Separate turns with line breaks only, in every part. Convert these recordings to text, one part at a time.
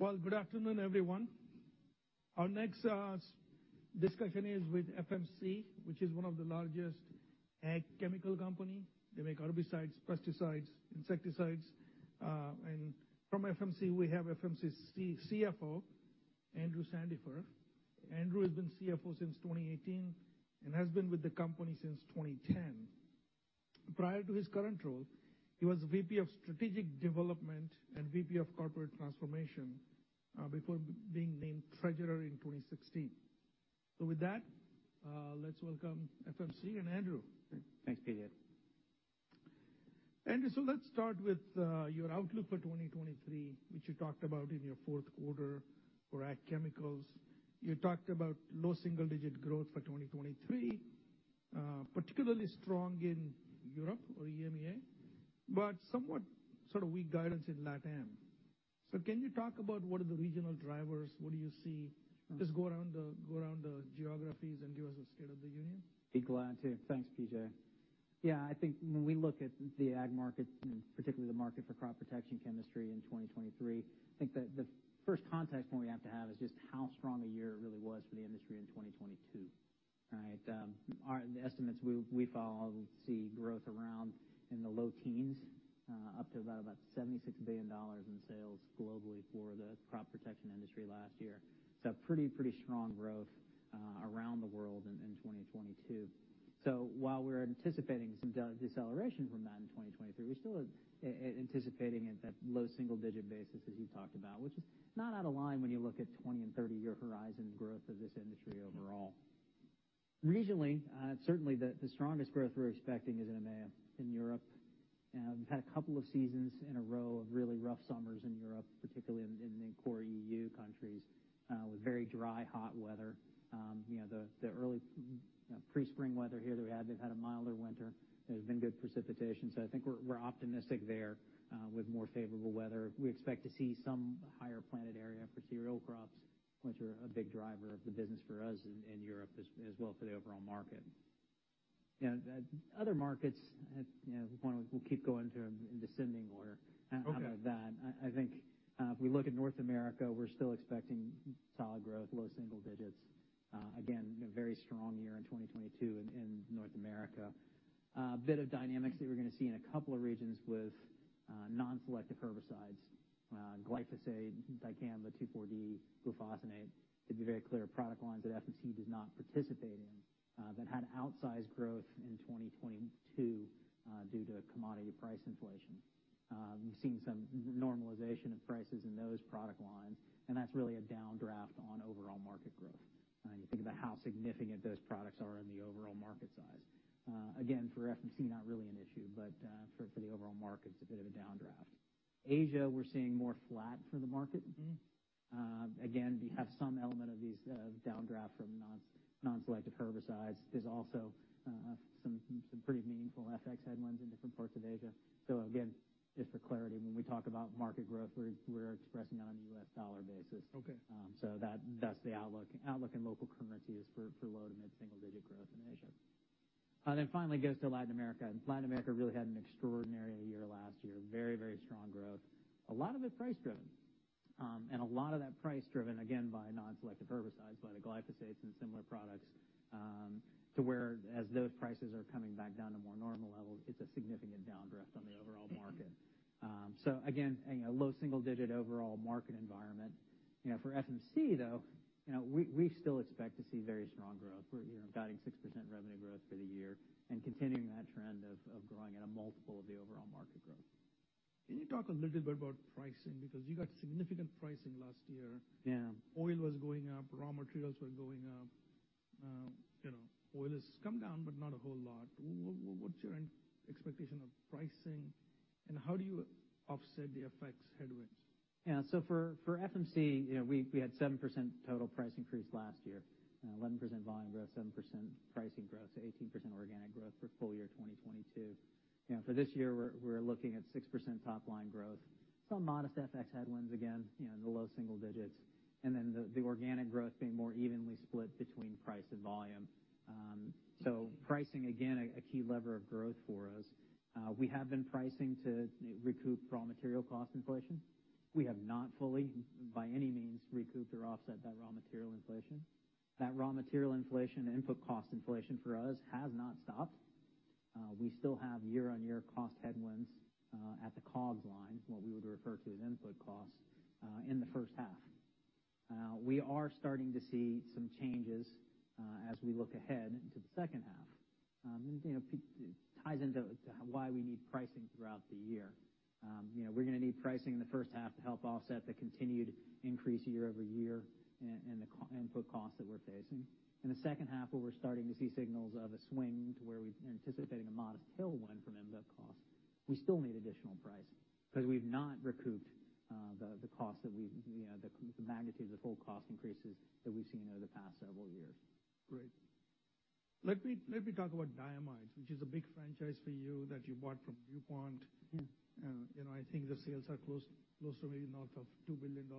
Well, good afternoon, everyone. Our next discussion is with FMC, which is one of the largest ag chemical company. They make herbicides, pesticides, insecticides. And from FMC, we have FMC's CFO, Andrew Sandifer. Andrew has been CFO since 2018 and has been with the company since 2010. Prior to his current role, he was VP of Strategic Development and VP of Corporate Transformation, before being named treasurer in 2016. With that, let's welcome FMC and Andrew.
Thanks, PJ.
Andrew, let's start with your outlook for 2023, which you talked about in your fourth quarter for ag chemicals. You talked about low single-digit growth for 2023, particularly strong in Europe or EMEA, but somewhat sort of weak guidance in LatAm. Can you talk about what are the regional drivers? What do you see? Just go around the geographies and give us a state of the union.
Be glad to. Thanks, PJ. I think when we look at the ag market and particularly the market for crop protection chemistry in 2023, I think that the first context point we have to have is just how strong a year it really was for the industry in 2022. All right? The estimates we follow see growth around in the low teens, up to about $76 billion in sales globally for the crop protection industry last year. Pretty strong growth around the world in 2022. While we're anticipating some deceleration from that in 2023, we're still anticipating at that low single digit basis, as you talked about, which is not out of line when you look at 20- and 30-year horizon growth of this industry overall. Regionally, certainly the strongest growth we're expecting is in EMEA, in Europe. We've had a couple of seasons in a row of really rough summers in Europe, particularly in the core EU countries, with very dry, hot weather. You know, the early, you know, pre-spring weather here that we had, they've had a milder winter. There's been good precipitation. I think we're optimistic there, with more favorable weather. We expect to see some higher planted area for cereal crops, which are a big driver of the business for us in Europe as well for the overall market. You know, the other markets, you know, we want to, we'll keep going through them in descending order.
Okay.
Out of that, I think, if we look at North America, we're still expecting solid growth, low single digits. Again, you know, very strong year in 2022 in North America. A bit of dynamics that we're gonna see in a couple of regions with non-selective herbicides, glyphosate, dicamba, 2,4-D, glufosinate. To be very clear, product lines that FMC does not participate in, that had outsized growth in 2022, due to commodity price inflation. We've seen some normalization of prices in those product lines, and that's really a downdraft on overall market growth. You think about how significant those products are in the overall market size. Again, for FMC, not really an issue, but for the overall market, it's a bit of a downdraft. Asia, we're seeing more flat for the market.
Mm-hmm.
Again, we have some element of these downdraft from non-selective herbicides. There's also some pretty meaningful FX headwinds in different parts of Asia. Again, just for clarity, when we talk about market growth, we're expressing it on a US dollar basis.
Okay.
So that's the outlook. Outlook in local currency is for low to mid-single digit growth in Asia. Finally get us to Latin America. Latin America really had an extraordinary year last year. Very, very strong growth. A lot of it price-driven, and a lot of that price-driven, again, by non-selective herbicides, by the glyphosates and similar products, to where as those prices are coming back down to more normal levels, it's a significant downdraft on the overall market. Again, you know, low single digit overall market environment. You know, for FMC, though, you know, we still expect to see very strong growth. We're, you know, guiding 6% revenue growth for the year and continuing that trend of growing at a multiple of the overall market growth.
Can you talk a little bit about pricing? You got significant pricing last year.
Yeah.
Oil was going up, raw materials were going up. You know, oil has come down, but not a whole lot. What's your expectation of pricing, and how do you offset the FX headwinds?
For FMC, you know, we had 7% total price increase last year. You know, 11% volume growth, 7% pricing growth, so 18% organic growth for full year 2022. You know, for this year, we're looking at 6% top line growth. Some modest FX headwinds, again, you know, in the low single digits. The organic growth being more evenly split between price and volume. So pricing, again, a key lever of growth for us. We have been pricing to recoup raw material cost inflation. We have not fully by any means recouped or offset that raw material inflation. That raw material inflation and input cost inflation for us has not stopped. We still have year-over-year cost headwinds at the COGS line, what we would refer to as input costs in the first half. We are starting to see some changes as we look ahead into the second half. You know, it ties into why we need pricing throughout the year. You know, we're going to need pricing in the first half to help offset the continued increase year-over-year in the input costs that we're facing. In the second half, where we're starting to see signals of a swing to where we're anticipating a modest tailwind from input costs, we still need additional pricing because we've not recouped the cost that we, you know, the magnitude of the full cost increases that we've seen over the past several years.
Great. Let me talk about Diamides, which is a big franchise for you that you bought from DuPont.
Mm-hmm.
You know, I think the sales are close to maybe north of $2 billion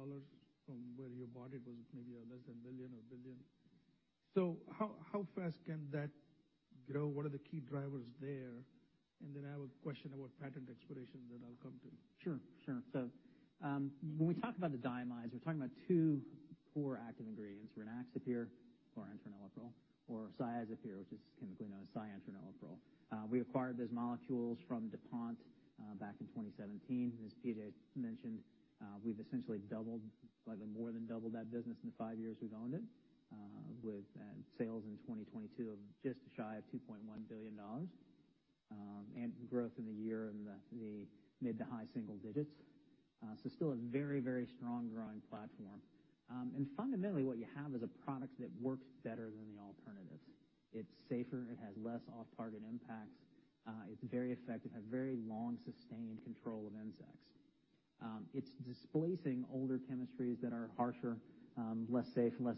from where you bought it was maybe less than $1 billion or $1 billion. How fast can that grow? What are the key drivers there? Then I have a question about patent expirations that I'll come to.
Sure, sure. When we talk about the diamides, we're talking about two core active ingredients, Rynaxypyr or chlorantraniliprole, or Cyazypyr, which is chemically known as cyantraniliprole. We acquired those molecules from DuPont back in 2017. As P.J. mentioned, we've essentially doubled, like more than doubled that business in the five years we've owned it, with sales in 2022 of just shy of $2.1 billion, and growth in the year in the mid-to-high single digits. Still a very, very strong growing platform. And fundamentally what you have is a product that works better than the alternatives. It's safer, it has less off-target impacts, it's very effective, has very long sustained control of insects. It's displacing older chemistries that are harsher, less safe, less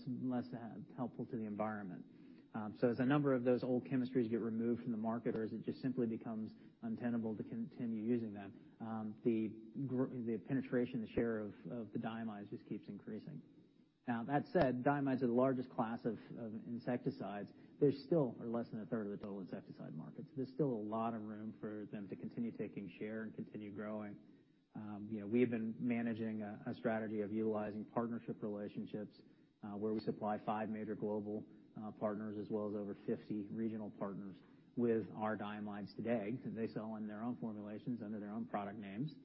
helpful to the environment. As a number of those old chemistries get removed from the market or as it just simply becomes untenable to continue using them, the penetration, the share of the Diamides just keeps increasing. That said, Diamides the largest class of insecticides. They still are less than 1/3 of the total insecticide markets. There's still a lot of room for them to continue taking share and continue growing. You know, we have been managing a strategy of utilizing partnership relationships, where we supply five major global partners as well as over 50 regional partners with our Diamides today, 'cause they sell in their own formulations under their own product names,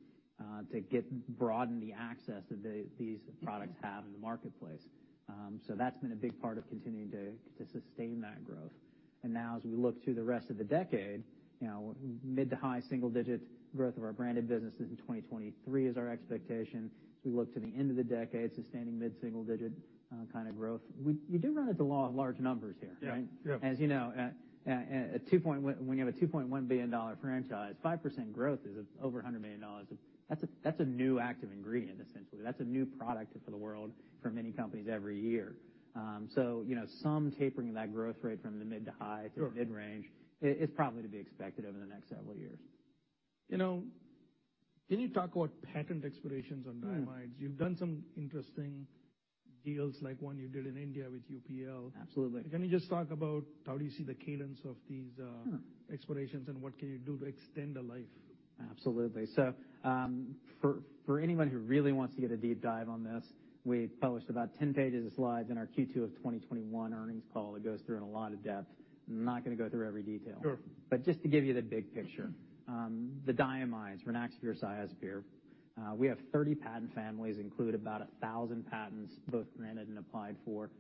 to get broaden the access that these products have in the marketplace. That's been a big part of continuing to sustain that growth. Now as we look to the rest of the decade, you know, mid to high single-digit growth of our branded businesses in 2023 is our expectation. As we look to the end of the decade, sustaining mid-single digit kind of growth. You do run into law of large numbers here, right?
Yeah. Yeah.
As you know, when you have a $2.1 billion franchise, 5% growth is over $100 million. That's a new active ingredient, essentially. That's a new product for the world for many companies every year. You know, some tapering of that growth rate from the mid to high-
Sure.
-to the mid range is probably to be expected over the next several years.
You know, can you talk about patent expirations on Diamides?
Mm-hmm.
You've done some interesting deals like one you did in India with UPL.
Absolutely.
Can you just talk about how do you see the cadence of these expirations and what can you do to extend the life?
Absolutely. For anyone who really wants to get a deep dive on this, we published about 10 pages of slides in our Q2 of 2021 earnings call. It goes through in a lot of depth. I'm not gonna go through every detail.
Sure.
Just to give you the big picture, the Diamides, Rynaxypyr, Cyazypyr, we have 30 patent families, include about 1,000 patents, both granted and applied for,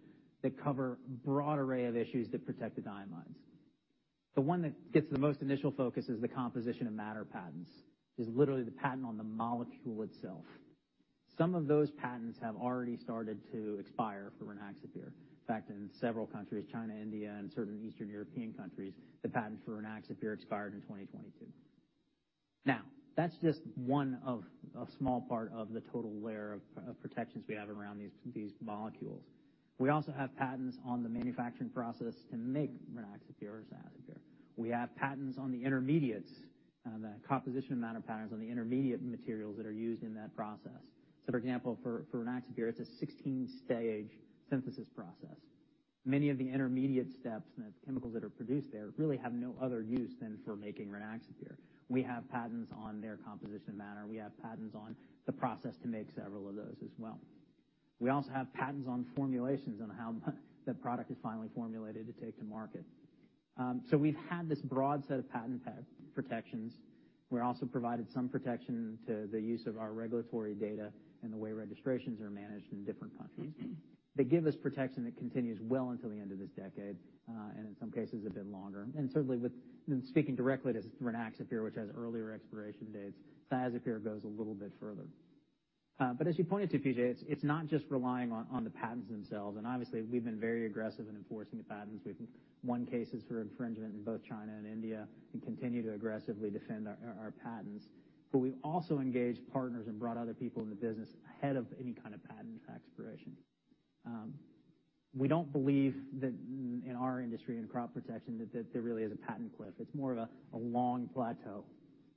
that cover broad array of issues that protect the Diamides. The one that gets the most initial focus is the composition of matter patents, is literally the patent on the molecule itself. Some of those patents have already started to expire for Rynaxypyr. In fact, in several countries, China, India, and certain Eastern European countries, the patent for Rynaxypyr expired in 2022. That's just one of a small part of the total layer of protections we have around these molecules. We also have patents on the manufacturing process to make Rynaxypyr or Cyazypyr. We have patents on the intermediates, the composition of matter patents on the intermediate materials that are used in that process. For example, for Rynaxypyr, it's a 16-stage synthesis process. Many of the intermediate steps and the chemicals that are produced there really have no other use than for making Rynaxypyr. We have patents on their composition matter. We have patents on the process to make several of those as well. We also have patents on formulations on how the product is finally formulated to take to market. We've had this broad set of patent protections. We're also provided some protection to the use of our regulatory data and the way registrations are managed in different countries. They give us protection that continues well until the end of this decade, and in some cases a bit longer. Certainly with... speaking directly to Rynaxypyr, which has earlier expiration dates, Cyazypyr goes a little bit further. As you pointed to, PJ, it's not just relying on the patents themselves. Obviously, we've been very aggressive in enforcing the patents. We've won cases for infringement in both China and India and continue to aggressively defend our patents. We've also engaged partners and brought other people in the business ahead of any kind of patent expiration. We don't believe that in our industry, in crop protection, that there really is a patent cliff. It's more of a long plateau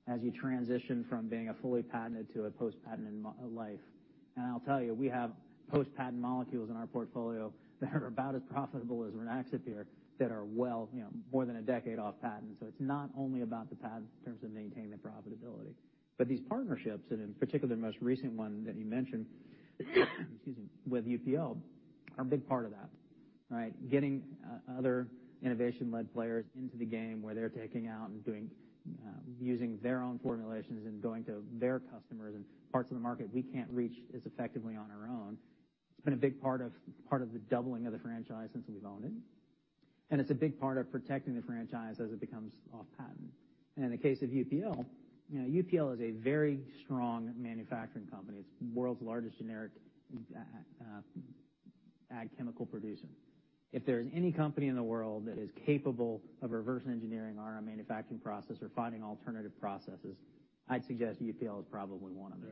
as you transition from being a fully patented to a post-patent life. I'll tell you, we have post-patent molecules in our portfolio that are about as profitable as Rynaxypyr that are well, you know, more than a decade off patent. It's not only about the patent in terms of maintaining the profitability. These partnerships, and in particular, the most recent one that you mentioned, excuse me, with UPL, are a big part of that. Right? Getting other innovation-led players into the game where they're taking out and doing, using their own formulations and going to their customers and parts of the market we can't reach as effectively on our own, has been a big part of the doubling of the franchise since we've owned it. It's a big part of protecting the franchise as it becomes off patent. In the case of UPL, you know, UPL is a very strong manufacturing company. It's world's largest generic, ag chemical producer. If there's any company in the world that is capable of reverse engineering our manufacturing process or finding alternative processes, I'd suggest UPL is probably one of them.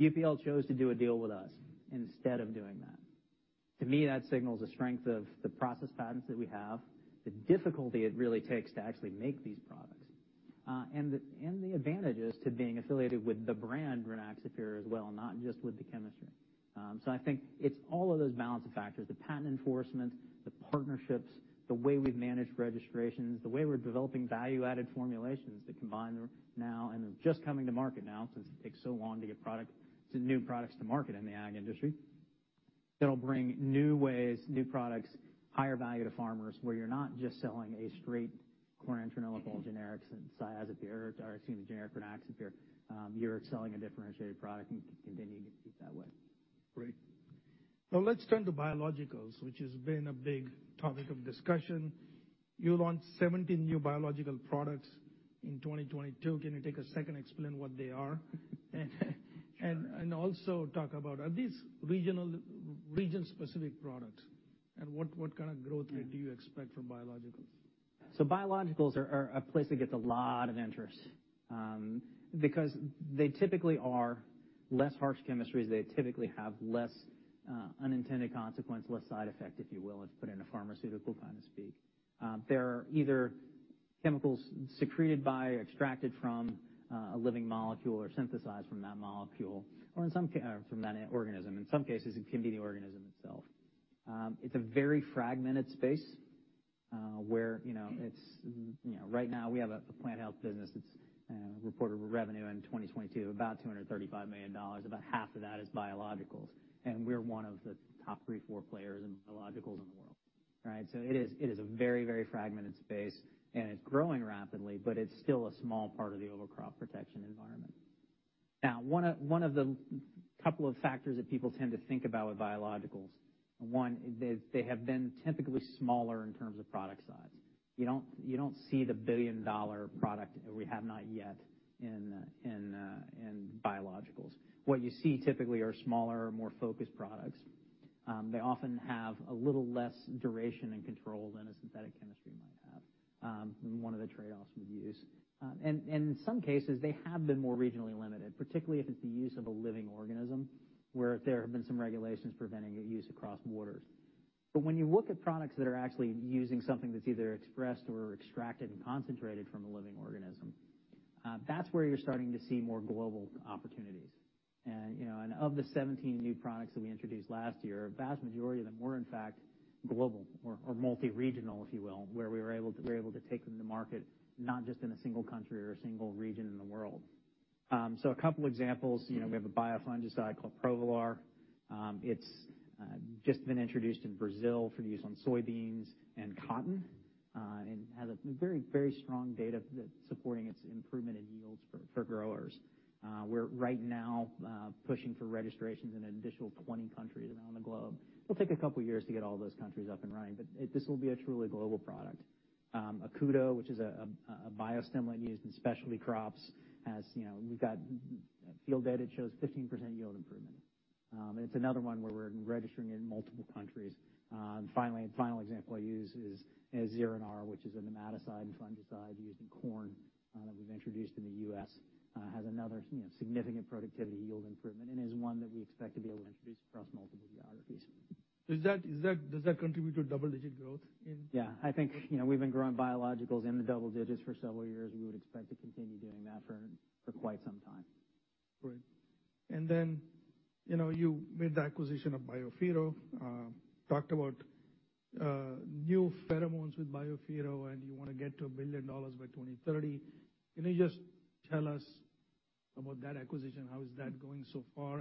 Right.
UPL chose to do a deal with us instead of doing that. To me, that signals the strength of the process patents that we have, the difficulty it really takes to actually make these products, and the advantages to being affiliated with the brand Granaxanor as well, not just with the chemistry. I think it's all of those balancing factors, the patent enforcement, the partnerships, the way we've managed registrations, the way we're developing value-added formulations that combine now and are just coming to market now since it takes so long to get new products to market in the ag industry. That'll bring new ways, new products, higher value to farmers where you're not just selling a straight chlorantraniliprole generics and Cyazypyr or excuse me, generic Granaxanor. You're selling a differentiated product and can continue to compete that way.
Great. Now let's turn to Biologicals, which has been a big topic of discussion. You launched 17 new Biological products in 2022. Can you take a second to explain what they are?
Sure.
Also talk about are these region-specific products? What kind of growth rate do you expect from biologicals?
Biologicals are a place that gets a lot of interest because they typically are less harsh chemistries. They typically have less unintended consequence, less side effect, if you will, if put in a pharmaceutical kind of speak. They're either chemicals secreted by or extracted from a living molecule or synthesized from that molecule or from that organism. In some cases, it can be the organism itself. It's a very fragmented space, where, you know, it's, you know, right now we have a plant health business that's reported revenue in 2022 of about $235 million. About half of that is Biologicals. We're one of the top three, four players in Biologicals in the world, right? It is a very fragmented space, and it's growing rapidly, but it's still a small part of the overall crop protection environment. One of the couple of factors that people tend to think about with biologicals, one, is they have been typically smaller in terms of product size. You don't see the billion-dollar product. We have not yet in biologicals. What you see typically are smaller, more focused products. They often have a little less duration and control than a synthetic chemistry might have, one of the trade-offs we use. And in some cases, they have been more regionally limited, particularly if it's the use of a living organism, where there have been some regulations preventing a use across borders. When you look at products that are actually using something that's either expressed or extracted and concentrated from a living organism, that's where you're starting to see more global opportunities. You know, and of the 17 new products that we introduced last year, a vast majority of them were, in fact, global or multi-regional, if you will, where we were able to take them to market not just in a single country or a single region in the world. A couple of examples. You know, we have a Provilar called Provilar. It's just been introduced in Brazil for use on soybeans and cotton, and has a very strong data that's supporting its improvement in yields for growers. We're right now pushing for registrations in an additional 20 countries around the globe. It'll take a couple of years to get all those countries up and running, this will be a truly global product. Accudo, which is a biostimulant used in specialty crops, has, you know, we've got field data that shows 15% yield improvement. It's another one where we're registering in multiple countries. Finally, final example I'll use is Zyronar, which is a nematicide and fungicide used in corn, that we've introduced in the U.S. Has another, you know, significant productivity yield improvement and is one that we expect to be able to introduce across multiple geographies.
Does that contribute to double-digit growth?
I think, you know, we've been growing biologicals in the double digits for several years. We would expect to continue doing that for quite some time.
Great. Then, you know, you made the acquisition of BioPhero, talked about new pheromones with BioPhero, you wanna get to $1 billion by 2030. Can you just tell us about that acquisition? How is that going so far?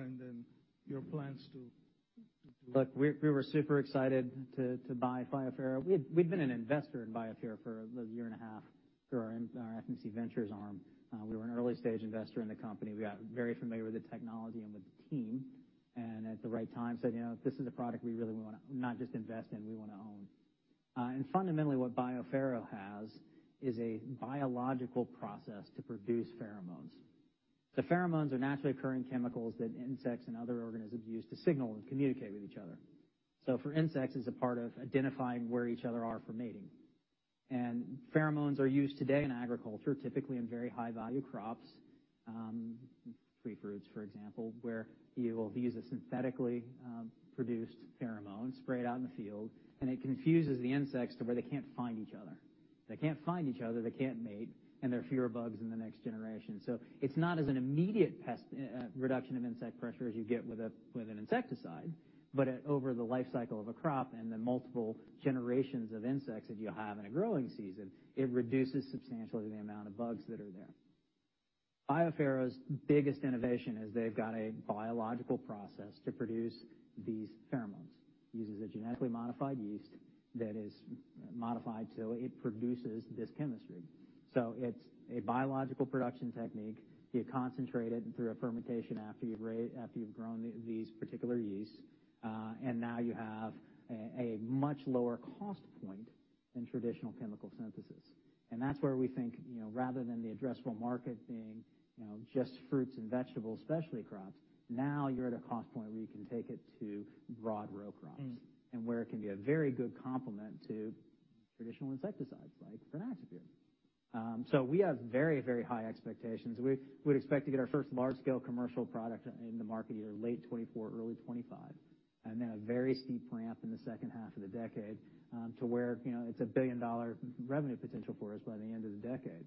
Look, we were super excited to buy BioPhero. We'd been an investor in BioPhero for a year and a half through our FMC Ventures arm. We were an early-stage investor in the company. We got very familiar with the technology and with the team, and at the right time said, "You know, this is a product we really wanna not just invest in, we wanna own." Fundamentally what BioPhero has is a biological process to produce pheromones. Pheromones are naturally occurring chemicals that insects and other organisms use to signal and communicate with each other. For insects, it's a part of identifying where each other are for mating. Pheromones are used today in agriculture, typically in very high-value crops, tree fruits, for example, where you will use a synthetically produced pheromone sprayed out in the field, and it confuses the insects to where they can't find each other. If they can't find each other, they can't mate, and there are fewer bugs in the next generation. It's not as an immediate pest, reduction of insect pressure as you get with a, with an insecticide, but over the life cycle of a crop and the multiple generations of insects that you have in a growing season, it reduces substantially the amount of bugs that are there. BioPhero's biggest innovation is they've got a biological process to produce these pheromones. Uses a genetically modified yeast that is modified so it produces this chemistry. It's a biological production technique. You concentrate it through a fermentation after you've grown these particular yeasts. Now you have a much lower cost point than traditional chemical synthesis. That's where we think, you know, rather than the addressable market being, you know, just fruits and vegetables, specialty crops, now you're at a cost point where you can take it to broad row crops and where it can be a very good complement to traditional insecticides like Granaxanor. We have very, very high expectations. We would expect to get our first large-scale commercial product in the market either late 2024, early 2025, and then a very steep ramp in the second half of the decade, to where, you know, it's a billion-dollar revenue potential for us by the end of the decade.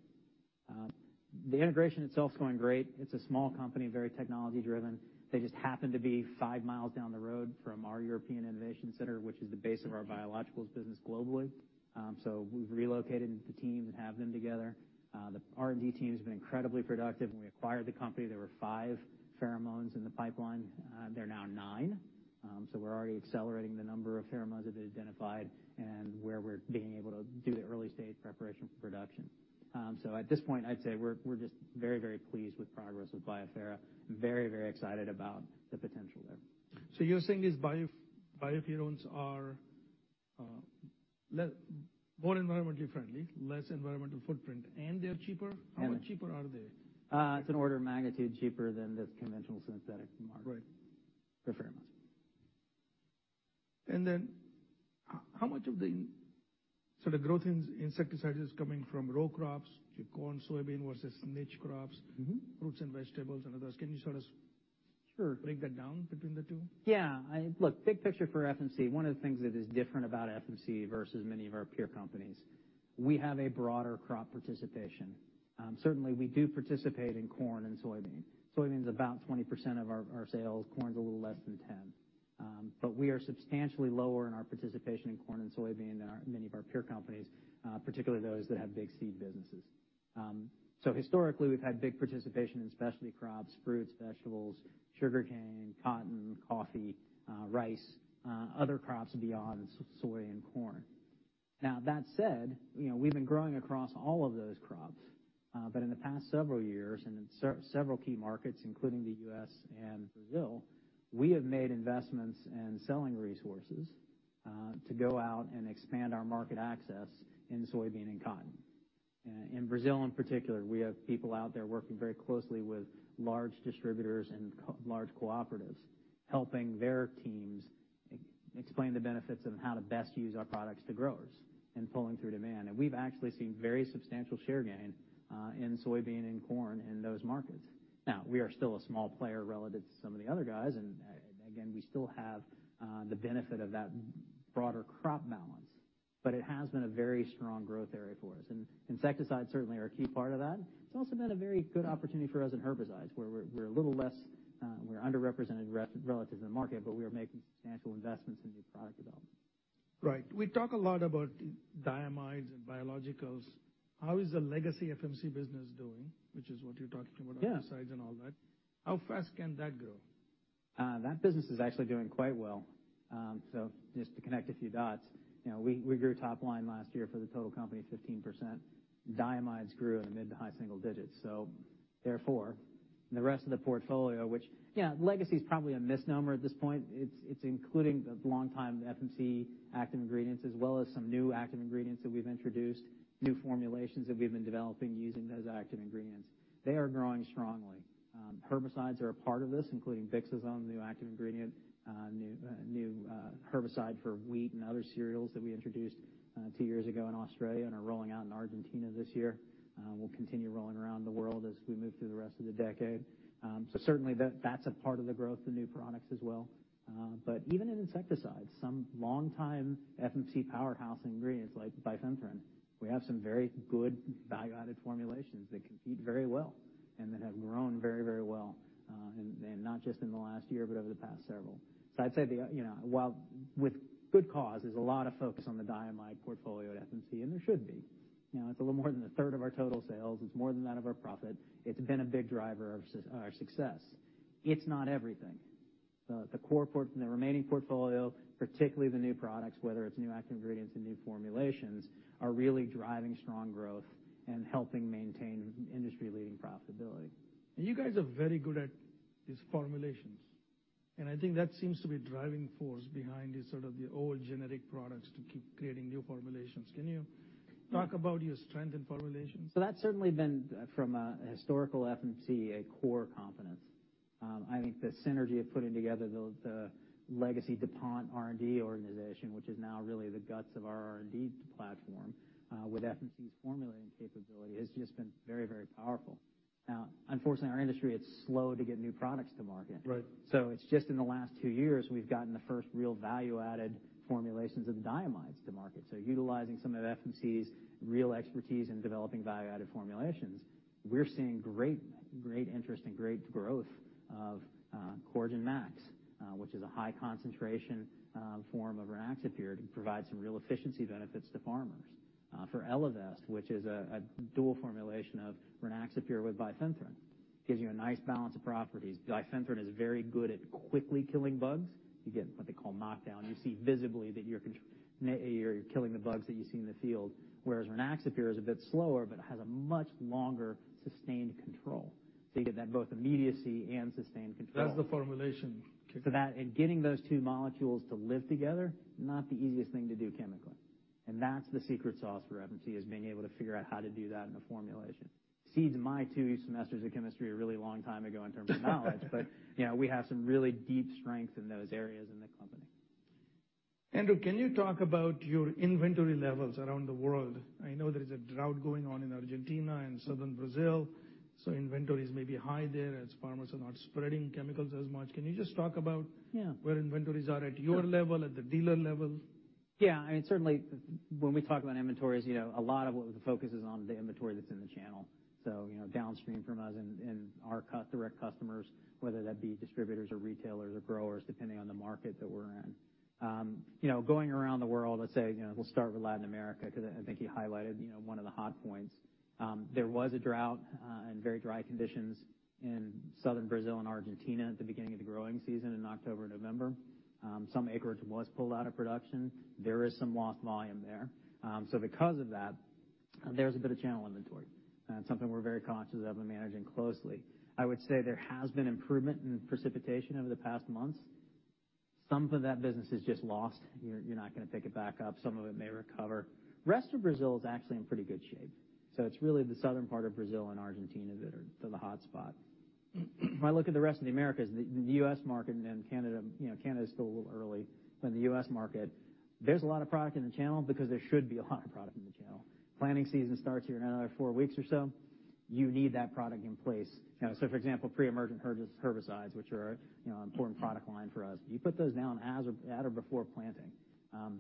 The integration itself is going great. It's a small company, very technology-driven. They just happen to be 5 mi down the road from our European innovation center, which is the base of our Biologicals business globally. We've relocated the team and have them together. The R&D team has been incredibly productive. When we acquired the company, there were five pheromones in the pipeline. There are now nine. We're already accelerating the number of pheromones that they identified and where we're being able to do the early-stage preparation for production. At this point, I'd say we're just very, very pleased with progress with BioPhero. Very, very excited about the potential there.
You're saying these bio-pheromones are more environmentally friendly, less environmental footprint, and they're cheaper?
And-
How much cheaper are they?
It's an order of magnitude cheaper than the conventional synthetic market.
Right.
The Pheromones.
How much of the sort of growth in insecticides coming from row crops, your corn, soybean, versus niche crops?
Mm-hmm.
fruits and vegetables and others. Can you sort of-
Sure.
-break that down between the two?
Yeah. Look, big picture for FMC, one of the things that is different about FMC versus many of our peer companies, we have a broader crop participation. Certainly, we do participate in corn and soybean. Soybean is about 20% of our sales. Corn is a little less than 10. But we are substantially lower in our participation in corn and soybean than many of our peer companies, particularly those that have big seed businesses. Historically, we've had big participation in specialty crops, fruits, vegetables, sugarcane, cotton, coffee, rice, other crops beyond soy and corn. That said, you know, we've been growing across all of those crops. In the past several years, and in several key markets, including the U.S. and Brazil, we have made investments in selling resources to go out and expand our market access in soybean and cotton. In Brazil, in particular, we have people out there working very closely with large distributors and large cooperatives, helping their teams explain the benefits of how to best use our products to growers and pulling through demand. We've actually seen very substantial share gain in soybean and corn in those markets. We are still a small player relative to some of the other guys. Again, we still have the benefit of that broader crop balance, but it has been a very strong growth area for us. Insecticides certainly are a key part of that. It's also been a very good opportunity for us in herbicides, where we're a little less, we're underrepresented relative to the market, but we are making substantial investments in new product development.
Right. We talk a lot about diamides and biologicals. How is the legacy FMC business doing, which is what you're talking about...
Yeah.
....herbicides and all that. How fast can that grow?
That business is actually doing quite well. Just to connect a few dots, you know, we grew top line last year for the total company 15%. Diamides grew in the mid-to-high single digits. Therefore, the rest of the portfolio, which, you know, legacy is probably a misnomer at this point. It's including the long-time FMC active ingredients, as well as some new active ingredients that we've introduced, new formulations that we've been developing using those active ingredients. They are growing strongly. Herbicides are a part of this, including bixlozone, the new active ingredient, new herbicide for wheat and other cereals that we introduced two years ago in Australia and are rolling out in Argentina this year. We'll continue rolling around the world as we move through the rest of the decade. Certainly that's a part of the growth, the new products as well. Even in insecticides, some long-time FMC powerhouse ingredients like bifenthrin, we have some very good value-added formulations that compete very well and that have grown very, very well, and not just in the last year, but over the past several. I'd say the, you know, while with good cause, there's a lot of focus on the diamide portfolio at FMC, and there should be. You know, it's a little more than 1/3 of our total sales. It's more than that of our profit. It's been a big driver of our success. It's not everything. The core remaining portfolio, particularly the new products, whether it's new active ingredients and new formulations, are really driving strong growth and helping maintain industry-leading profitability.
You guys are very good at these formulations, and I think that seems to be a driving force behind the sort of the old generic products to keep creating new formulations. Can you talk about your strength in formulations?
That's certainly been, from a historical FMC, a core competence. I think the synergy of putting together the legacy DuPont R&D organization, which is now really the guts of our R&D platform, with FMC's formulating capability, has just been very, very powerful. Unfortunately, our industry, it's slow to get new products to market.
Right.
It's just in the last two years, we've gotten the first real value-added formulations of diamides to market. Utilizing some of FMC's real expertise in developing value-added formulations, we're seeing great interest and great growth of Coragen MaX, which is a high concentration form of Rynaxypyr. It provides some real efficiency benefits to farmers. For Elevest, which is a dual formulation of Rynaxypyr with bifenthrin, gives you a nice balance of properties. Bifenthrin is very good at quickly killing bugs. You get what they call knockdown. You see visibly that you're killing the bugs that you see in the field, whereas Rynaxypyr is a bit slower, but it has a much longer sustained control. You get that both immediacy and sustained control.
That's the formulation.
That, and getting those two molecules to live together, not the easiest thing to do chemically. That's the secret sauce for FMC, is being able to figure out how to do that in a formulation. Seeds my two semesters of chemistry a really long time ago in terms of knowledge. You know, we have some really deep strength in those areas in the company.
Andrew, can you talk about your inventory levels around the world? I know there is a drought going on in Argentina and Southern Brazil, inventories may be high there as farmers are not spreading chemicals as much. Can you just talk about-
Yeah.
-where inventories are at your level, at the dealer level?
Yeah. I mean, certainly when we talk about inventories, you know, a lot of what the focus is on the inventory that's in the channel. You know, downstream from us and our direct customers, whether that be distributors or retailers or growers, depending on the market that we're in. You know, going around the world, let's say, you know, we'll start with Latin America because I think you highlighted, you know, one of the hot points. There was a drought and very dry conditions in Southern Brazil and Argentina at the beginning of the growing season in October, November. Some acreage was pulled out of production. There is some lost volume there. Because of that, there's a bit of channel inventory and something we're very conscious of and managing closely. I would say there has been improvement in precipitation over the past months. Some of that business is just lost. You're not gonna pick it back up. Some of it may recover. Rest of Brazil is actually in pretty good shape, so it's really the southern part of Brazil and Argentina that are the hotspot. If I look at the rest of the Americas, the U.S. market and then Canada, you know, Canada is still a little early. In the U.S. market, there's a lot of product in the channel because there should be a lot of product in the channel. Planting season starts here in another four weeks or so. You need that product in place. You know, so for example, pre-emergent herbicides, which are, you know, an important product line for us. You put those down at or before planting.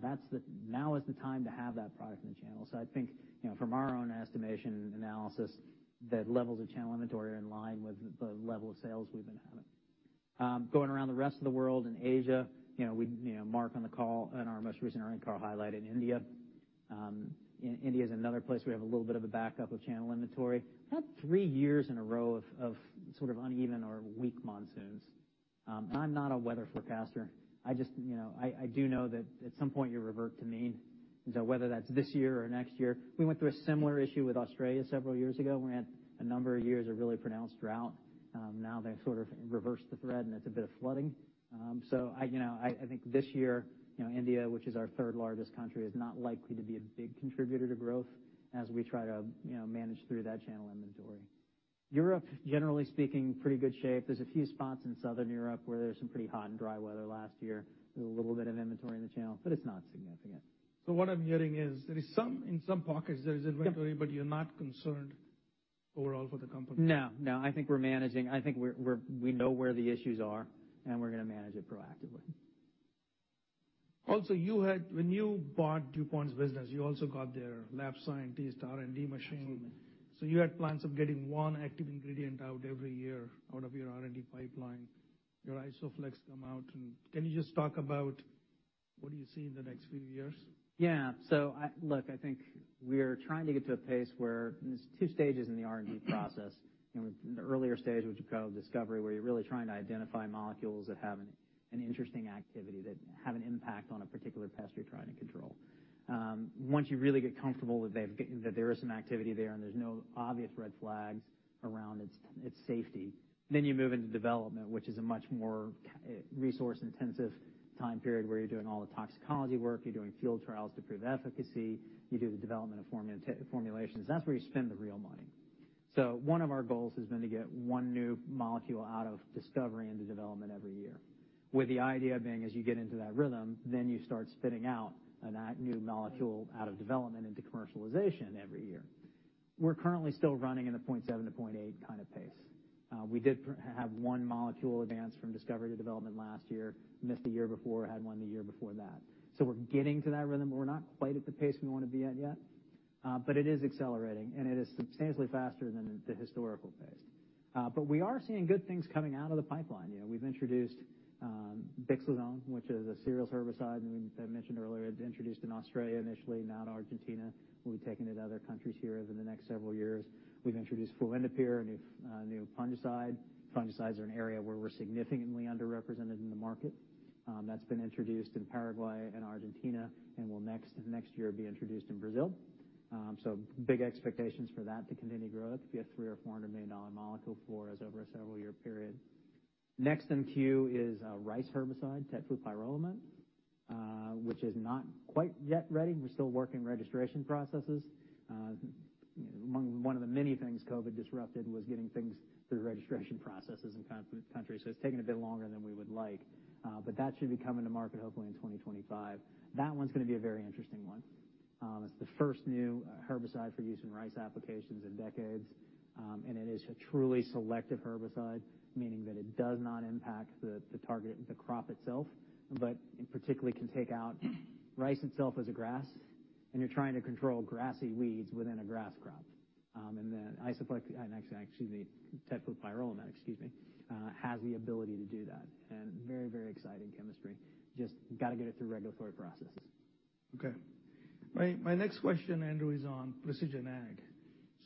That's now is the time to have that product in the channel. I think, you know, from our own estimation analysis, the levels of channel inventory are in line with the level of sales we've been having. Going around the rest of the world in Asia, you know, we, you know, Mark on the call in our most recent earnings call highlighted India. India's another place we have a little bit of a backup of channel inventory. Had three years in a row of sort of uneven or weak monsoons. I'm not a weather forecaster. I just, you know, I do know that at some point you revert to mean, so whether that's this year or next year. We went through a similar issue with Australia several years ago. We had a number of years of really pronounced drought. Now they've sort of reversed the thread and it's a bit of flooding. I, you know, I think this year, you know, India, which is our third largest country, is not likely to be a big contributor to growth as we try to, you know, manage through that channel inventory. Europe, generally speaking, pretty good shape. There's a few spots in Southern Europe where there's some pretty hot and dry weather last year. There's a little bit of inventory in the channel, but it's not significant.
What I'm hearing is there is some, in some pockets there is inventory.
Yeah.
You're not concerned overall for the company.
No, no. I think we're managing. I think we're, we know where the issues are, and we're gonna manage it proactively.
Also, when you bought DuPont's business, you also got their lab scientists, R&D machine.
Absolutely.
You had plans of getting one active ingredient out every year out of your R&D pipeline. Your Isoflex come out. Can you just talk about what do you see in the next few years?
Look, I think we're trying to get to a pace where there's two stages in the R&D process. You know, in the earlier stage, which we call discovery, where you're really trying to identify molecules that have an interesting activity, that have an impact on a particular pest you're trying to control. Once you really get comfortable that there is some activity there and there's no obvious red flags around its safety, then you move into development, which is a much more resource-intensive time period, where you're doing all the toxicology work, you're doing field trials to prove efficacy, you do the development of formulations. That's where you spend the real money. One of our goals has been to get one new molecule out of discovery into development every year, with the idea being, as you get into that rhythm, then you start spitting out a new molecule out of development into commercialization every year. We're currently still running at a 0.7-0.8 kind of pace. We did have one molecule advance from discovery to development last year. Missed a year before, had one the year before that. We're getting to that rhythm, but we're not quite at the pace we wanna be at yet. But it is accelerating, and it is substantially faster than the historical pace. But we are seeing good things coming out of the pipeline. You know, we've introduced bixlozone, which is a cereal herbicide, and we, I mentioned earlier, introduced in Australia initially, now in Argentina. We'll be taking it to other countries here over the next several years. We've introduced fluindapyr, a new fungicide. Fungicides are an area where we're significantly underrepresented in the market. That's been introduced in Paraguay and Argentina, and will next year be introduced in Brazil. Big expectations for that to continue to grow. It could be a $300 million-$400 million molecule for us over a several year period. Next in queue is a rice herbicide, tetraflupyrolimet, which is not quite yet ready. We're still working registration processes. Among, one of the many things COVID disrupted was getting things through registration processes in countries, so it's taking a bit longer than we would like. But that should be coming to market hopefully in 2025. That one's gonna be a very interesting one. It's the first new herbicide for use in rice applications in decades. It is a truly selective herbicide, meaning that it does not impact the target, the crop itself. In particular can take out rice itself as a grass, and you're trying to control grassy weeds within a grass crop. Then Isoflex-- not, excuse me, tetraflupyrolimet, excuse me, has the ability to do that. Very, very exciting chemistry. Just gotta get it through regulatory processes.
Okay. My, my next question, Andrew, is on Precision Ag.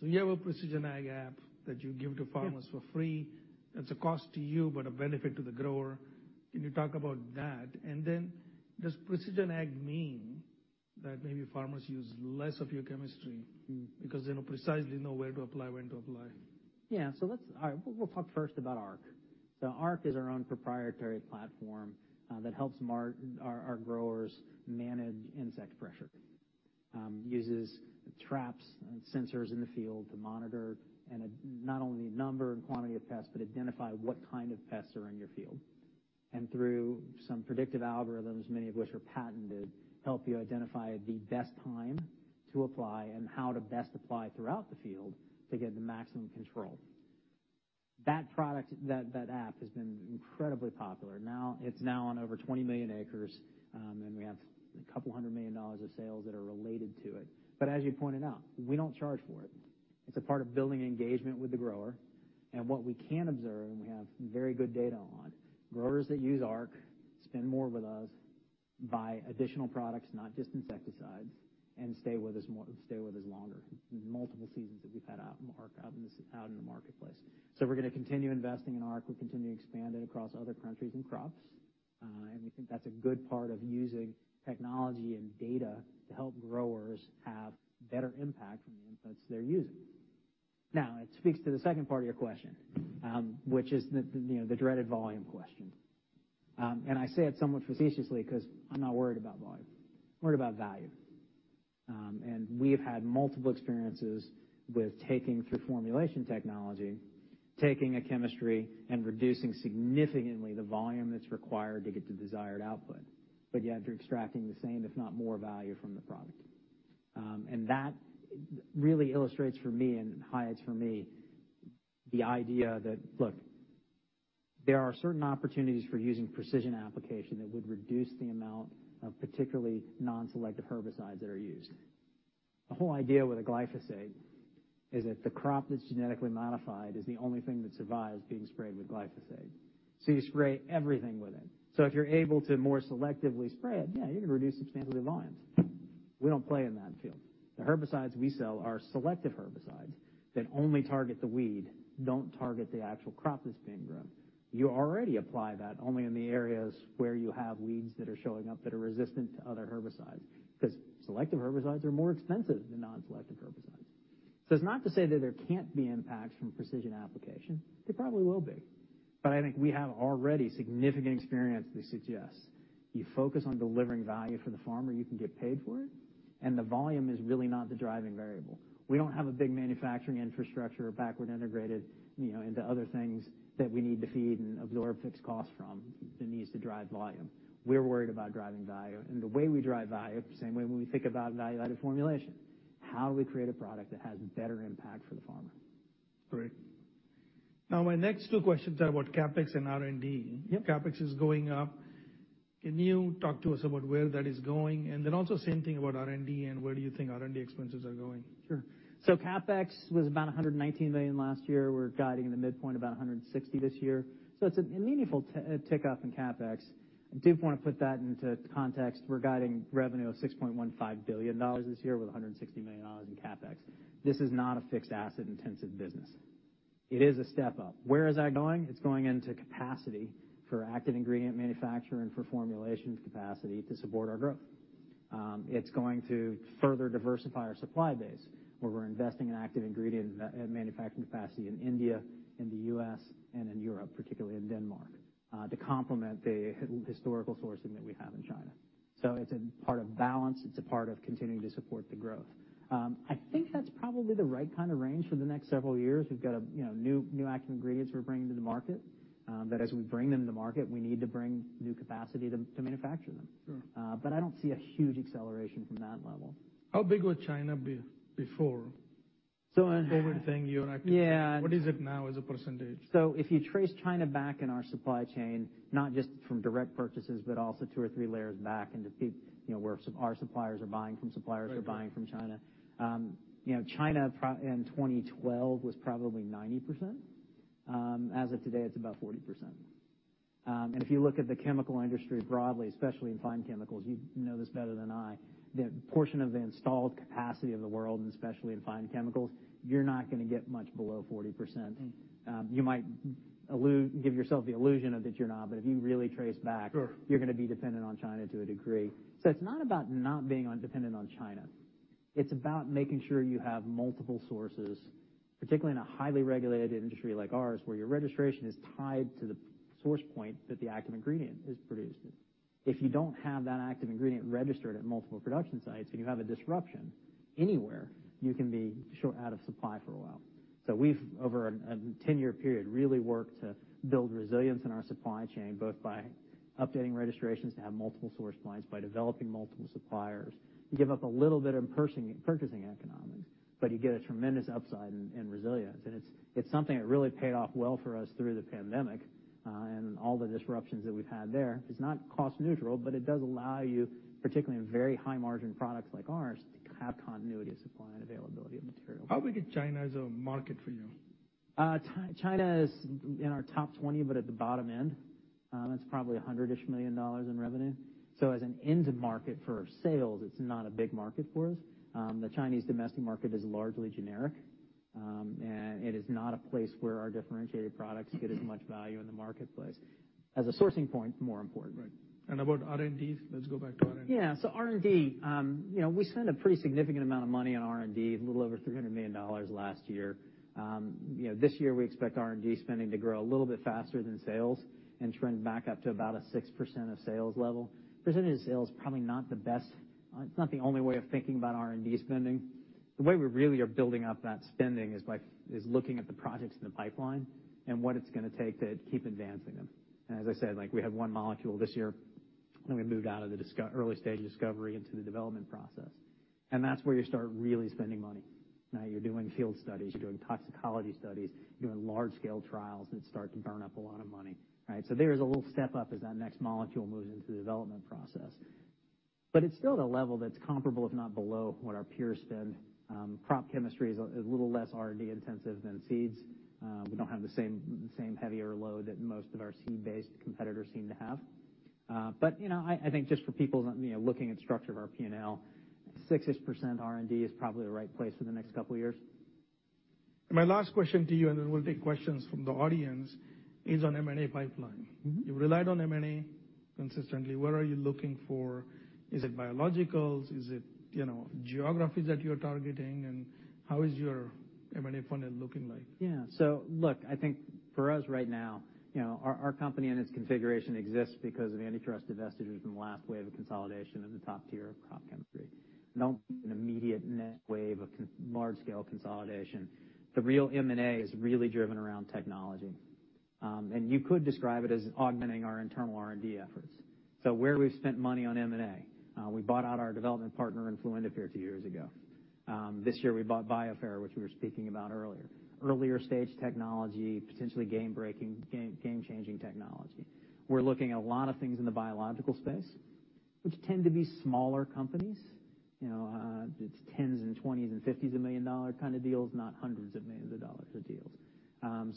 You have a Precision Ag app that you give to farmers for free.
Yes.
That's a cost to you, but a benefit to the grower. Can you talk about that? Does Precision Ag mean that maybe farmers use less of your chemistry because they know precisely where to apply, when to apply?
Let's... All right, we'll talk first about Arc. Arc is our own proprietary platform that helps our growers manage insect pressure. Uses traps, sensors in the field to monitor and not only number and quantity of pests, but identify what kind of pests are in your field. Through some predictive algorithms, many of which are patented, help you identify the best time to apply and how to best apply throughout the field to get the maximum control. That product, that app has been incredibly popular. Now, it's now on over 20 million acres, and we have $200 million of sales that are related to it. As you pointed out, we don't charge for it. It's a part of building engagement with the grower. What we can observe, and we have very good data on, growers that use Arc spend more with us, buy additional products, not just insecticides, and stay with us more, stay with us longer. Multiple seasons that we've had out, Arc out in the marketplace. We're gonna continue investing in Arc. We'll continue to expand it across other countries and crops. We think that's a good part of using technology and data to help growers have better impact from the inputs they're using. Now, it speaks to the second part of your question, which is the, you know, the dreaded volume question. I say it somewhat facetiously 'cause I'm not worried about volume. I'm worried about value. We have had multiple experiences with taking, through formulation technology, taking a chemistry and reducing significantly the volume that's required to get the desired output. Yet you're extracting the same if not more value from the product. That really illustrates for me and highlights for me the idea that, look, there are certain opportunities for using precision application that would reduce the amount of particularly non-selective herbicides that are used. The whole idea with a glyphosate is that the crop that's genetically modified is the only thing that survives being sprayed with glyphosate. You spray everything with it. If you're able to more selectively spray it, yeah, you're gonna reduce substantially volumes. We don't play in that field. The herbicides we sell are selective herbicides that only target the weed, don't target the actual crop that's being grown. You already apply that only in the areas where you have weeds that are showing up that are resistant to other herbicides, 'cause selective herbicides are more expensive than non-selective herbicides. It's not to say that there can't be impacts from precision application. There probably will be. I think we have already significant experience that suggests you focus on delivering value for the farmer, you can get paid for it, and the volume is really not the driving variable. We don't have a big manufacturing infrastructure backward integrated, you know, into other things that we need to feed and absorb fixed costs from that needs to drive volume. We're worried about driving value. The way we drive value, same way when we think about value-added formulation, how we create a product that has better impact for the farmer.
Great. Now, my next two questions are about CapEx and R&D.
Yep.
CapEx is going up. Can you talk to us about where that is going? Also same thing about R&D and where do you think R&D expenses are going?
Sure. CapEx was about $119 million last year. We're guiding in the midpoint about $160 million this year. It's a meaningful tick up in CapEx. I do wanna put that into context. We're guiding revenue of $6.15 billion this year with $160 million in CapEx. This is not a fixed asset intensive business. It is a step-up. Where is that going? It's going into capacity for active ingredient manufacturing, for formulations capacity to support our growth. It's going to further diversify our supply base, where we're investing in active ingredient manufacturing capacity in India, in the U.S., and in Europe, particularly in Denmark, to complement the historical sourcing that we have in China. It's a part of balance. It's a part of continuing to support the growth. I think that's probably the right kind of range for the next several years. We've got a, you know, new active ingredients we're bringing to the market, that as we bring them to market, we need to bring new capacity to manufacture them.
Sure.
I don't see a huge acceleration from that level.
How big was China before?
So, uh-...
the COVID thing you are active?
Yeah.
What is it now as a percentage?
If you trace China back in our supply chain, not just from direct purchases, but also two or three layers back into you know, where some, our suppliers are buying from suppliers..
Right. Right....
are buying from China. you know, China in 2012 was probably 90%. as of today, it's about 40%. If you look at the chemical industry broadly, especially in fine chemicals, you know this better than I, the portion of the installed capacity of the world, and especially in fine chemicals, you're not gonna get much below 40%.
Mm-hmm.
You might give yourself the illusion of that you're not. If you really trace back...
Sure...
you're gonna be dependent on China to a degree. It's not about not being dependent on China. It's about making sure you have multiple sources, particularly in a highly regulated industry like ours, where your registration is tied to the source point that the active ingredient is produced in. If you don't have that active ingredient registered at multiple production sites and you have a disruption anywhere, you can be short out of supply for a while. We've, over a 10-year period, really worked to build resilience in our supply chain, both by updating registrations to have multiple source points, by developing multiple suppliers. You give up a little bit in purchasing economics, but you get a tremendous upside in resilience. It's something that really paid off well for us through the pandemic and all the disruptions that we've had there. It's not cost neutral, but it does allow you, particularly in very high margin products like ours, to have continuity of supply and availability of material.
How big is China as a market for you?
China is in our top 20 but at the bottom end. It's probably $100 million-ish in revenue. As an end market for sales, it's not a big market for us. The Chinese domestic market is largely generic. It is not a place where our differentiated products get as much value in the marketplace. As a sourcing point, more important.
Right. About R&D? Let's go back to R&D.
R&D, you know, we spend a pretty significant amount of money on R&D, a little over $300 million last year. You know, this year, we expect R&D spending to grow a little bit faster than sales and trend back up to about a 6% of sales level. Percentage of sales probably not the best. It's not the only way of thinking about R&D spending. The way we really are building up that spending is looking at the projects in the pipeline and what it's gonna take to keep advancing them. As I said, like, we have 1 molecule this year when we moved out of the early stage discovery into the development process. That's where you start really spending money. You're doing field studies, you're doing toxicology studies, you're doing large-scale trials that start to burn up a lot of money, right? There's a little step up as that next molecule moves into the development process. It's still at a level that's comparable, if not below, what our peers spend. crop chemistry is a little less R&D intensive than seeds. We don't have the same heavier load that most of our seed-based competitors seem to have. you know, I think just for people, you know, looking at structure of our P&L, 6-ish% R&D is probably the right place for the next couple of years.
My last question to you, and then we'll take questions from the audience, is on M&A pipeline.
Mm-hmm.
You've relied on M&A consistently. What are you looking for? Is it biologicals? Is it, you know, geographies that you're targeting? How is your M&A funnel looking like?
Look, I think for us right now, you know, our company and its configuration exists because of antitrust divestitures from the last wave of consolidation in the top tier of crop chemistry. Don't an immediate net wave of large scale consolidation. The real M&A is really driven around technology. You could describe it as augmenting our internal R&D efforts. Where we've spent money on M&A, we bought out our development partner in fluindapyr a few years ago. This year we bought BioPhero, which we were speaking about earlier. Earlier stage technology, potentially game-breaking, game-changing technology. We're looking at a lot of things in the biological space, which tend to be smaller companies. You know, it's 10s and 20s and 50s of million-dollar kind of deals, not $100s of millions of dollars of deals.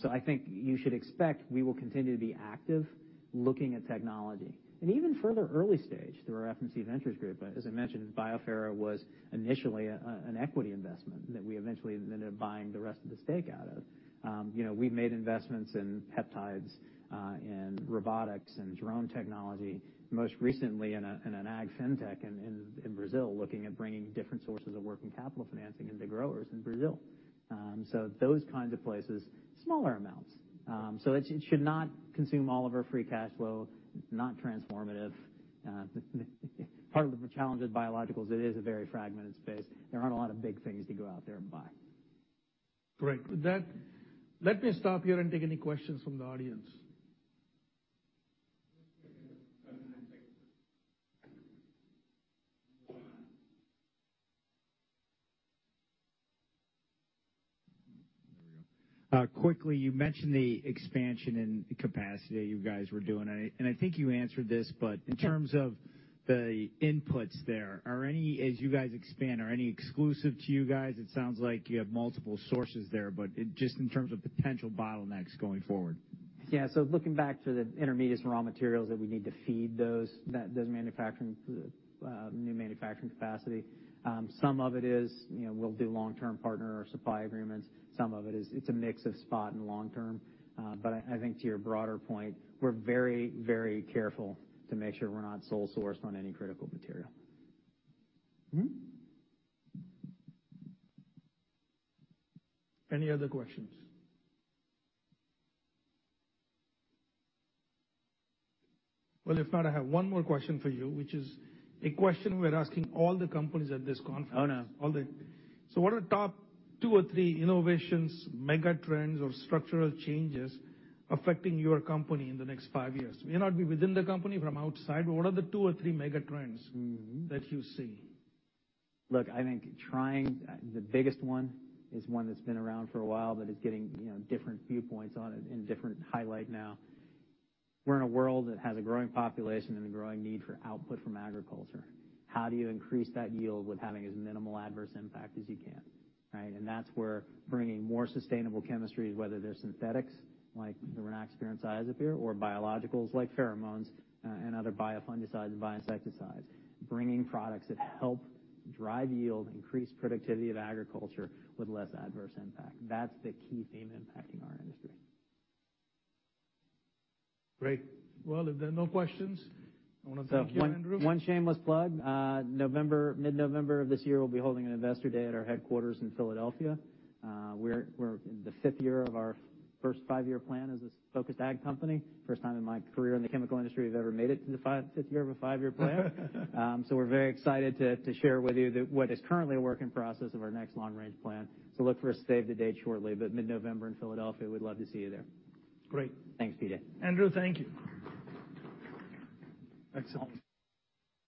I think you should expect we will continue to be active looking at technology and even further early stage through our FMC Ventures group. As I mentioned, BioPhero was initially an equity investment that we eventually ended up buying the rest of the stake out of. You know, we've made investments in peptides, in robotics and drone technology, most recently in an agri-fintech in Brazil, looking at bringing different sources of working capital financing into growers in Brazil. Those kinds of places, smaller amounts. It should not consume all of our free cash flow, not transformative. Part of the challenge of Biologicals, it is a very fragmented space. There aren't a lot of big things to go out there and buy.
Great. With that, let me stop here and take any questions from the audience.
Quickly, you mentioned the expansion and capacity that you guys were doing, and I think you answered this.
Yeah.
In terms of the inputs there, are any as you guys expand, are any exclusive to you guys? It sounds like you have multiple sources there, but just in terms of potential bottlenecks going forward.
Yeah. Looking back to the intermediates and raw materials that we need to feed those manufacturing, new manufacturing capacity, some of it is, you know, we'll do long-term partner or supply agreements. Some of it is, it's a mix of spot and long term. I think to your broader point, we're very, very careful to make sure we're not sole sourced on any critical material.
Mm-hmm. Any other questions? Well, if not, I have one more question for you, which is a question we're asking all the companies at this conference.
Oh, no.
What are the top two or three innovations, mega trends or structural changes affecting your company in the next five years? May not be within the company from outside, but what are the two or three mega trends?
Mm-hmm.
That you see?
Look, I think trying, the biggest one is one that's been around for a while but is getting, you know, different viewpoints on it and different highlight now. We're in a world that has a growing population and a growing need for output from agriculture. How do you increase that yield with having as minimal adverse impact as you can, right? That's where bringing more sustainable chemistries, whether they're synthetics like the Rynaxypyr and Cyazypyr, or Biologicals like pheromones, and other biofungicides and bioinsecticides, bringing products that help drive yield, increase productivity of agriculture with less adverse impact. That's the key theme impacting our industry.
Great. Well, if there are no questions, I wanna thank you, Andrew.
One shameless plug, November, mid-November of this year, we'll be holding an investor day at our headquarters in Philadelphia. We're in the fifth year of our first five-year plan as a focused ag company. First time in my career in the chemical industry we've ever made it to the fifth year of a five-year plan. We're very excited to share with you what is currently a work in process of our next long-range plan. Look for a save the date shortly, but mid-November in Philadelphia. We'd love to see you there.
Great.
Thanks, PJ.
Andrew, thank you. Excellent.